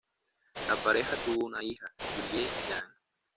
La pareja tuvo una hija, Julie Jane.